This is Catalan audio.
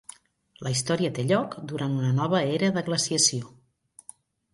La història té lloc durant una nova era de glaciació.